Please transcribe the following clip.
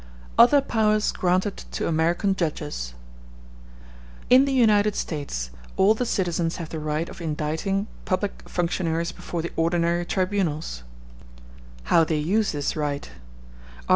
Other Powers Granted To American Judges The United States all the citizens have the right of indicting public functionaries before the ordinary tribunals—How they use this right—Art.